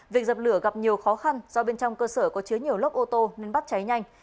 việc dập lửa gặp nhiều khó khăn do bên trong cơ sở có chứa nhiều lốc ô tô nên bắt cháy nhanh